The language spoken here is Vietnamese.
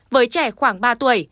với trẻ khoảng ba tuổi